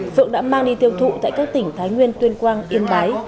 phượng đã mang đi tiêu thụ tại các tỉnh thái nguyên tuyên quang yên bái